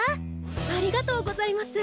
ありがとうございます。